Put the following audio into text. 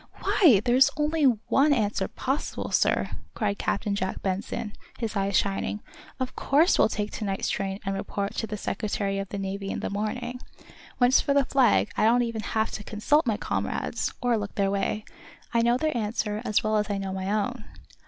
"Why, there's only one answer possible, sir," cried Captain Jack Benson, his eyes shining. "Of course we'll take to night's train and report to the Secretary of the Navy in the morning. When it's for the Flag I don't even have to consult my comrades, or look their way. I know their answer as well as I know my own."